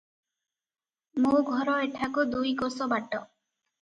ମୋ ଘର ଏଠାକୁ ଦୁଇ କୋଶ ବାଟ ।